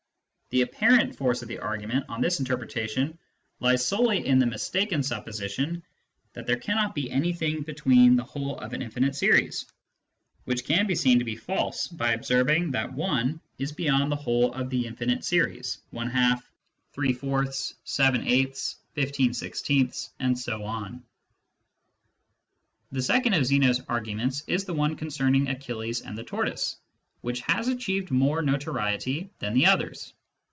The apparent force of the argument, on this interpretation, lies solely in the mistaken supposi tion that there cannot be anything beyond the whole of an infinite series, which can be seen to be false by observ ing that I is beyond the whole of the infinite series |, f , The second of Zeno's arguments is the one concerning Achilles and the tortoise, which has achieved more notoriety than the others.